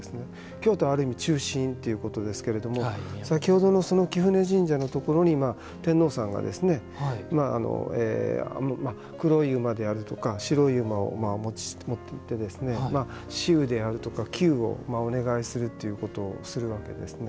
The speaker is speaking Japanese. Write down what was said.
京都は、ある意味中心ということですけれども先ほどの貴船神社のところに天皇さんが黒い馬であるとか白い馬を持っていって止雨であるとか、祈雨をお願いするということをするわけですね。